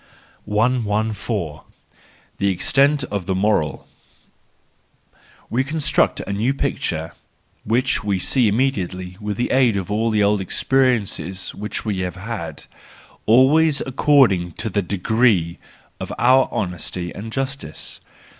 114. The Extent of the Moral .—We construct a new picture, which we see immediately with the aid of all the old experiences which we have had, always according to the degree of our honesty and justice.